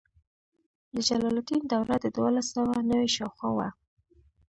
د جلال الدین دوره د دولس سوه نوي شاوخوا وه.